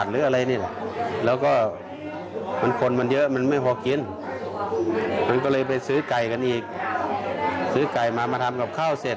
รับ